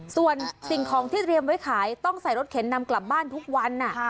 ส่วนสิ่งของที่เตรียมไว้ขายต้องใส่รถเข็นนำกลับบ้านทุกวัน